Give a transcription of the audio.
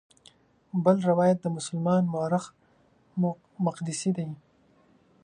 بل روایت د مسلمان مورخ مقدسي دی.